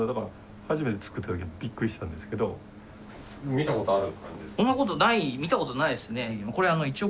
見たことある？